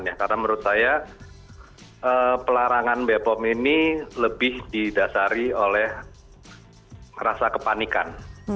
karena menurut saya pelarangan bpom ini lebih didasari oleh rasa kepanikan